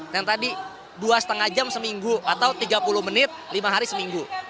yang tadi dua lima jam seminggu atau tiga puluh menit lima hari seminggu